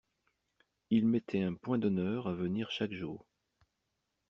Il mettait un point d’honneur à venir chaque jour.